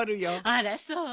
あらそう？